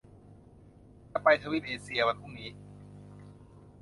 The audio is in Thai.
ฉันจะไปทวีปเอเชียวันพรุ่งนี้